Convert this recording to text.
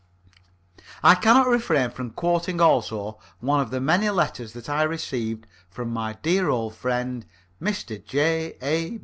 I cannot refrain from quoting also one of the many letters that I received from my dear old friend, Mr. J. A.